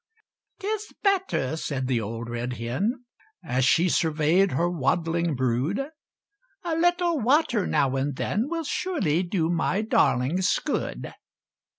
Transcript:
"'Tis better," said the old red hen, As she surveyed her waddling brood; "A little water now and then Will surely do my darlings good!"